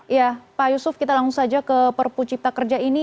ya pak yusuf kita langsung saja ke perpu cipta kerja ini